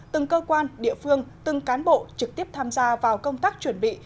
từng cơ quan địa phương từng cán bộ trực tiếp tham gia vào công tác chuẩn bị